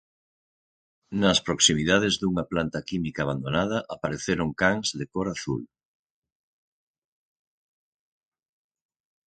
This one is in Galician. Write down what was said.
Nas proximidades dunha planta química abandonada apareceron cans de cor azul.